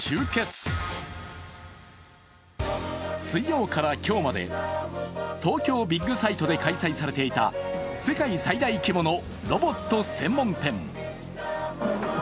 水曜から今日まで東京ビッグサイトで開催されていた世界最大規模のロボット専門展。